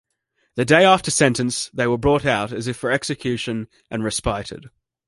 The day after sentence they were brought out as if for execution and respited.